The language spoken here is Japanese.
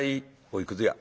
「おいくず屋。